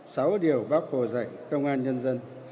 sáu điều bác hồ dạy công an nhân dân